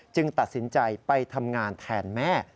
ตัดสินใจไปทำงานแทนแม่